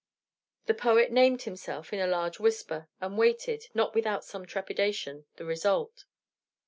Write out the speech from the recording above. The poet named himself in a loud whisper, and waited, not without some trepidation, the result.